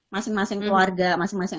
masing masing keluarga masing masing